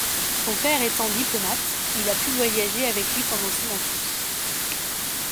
Son père étant diplomate, il a pu voyager avec lui pendant son enfance.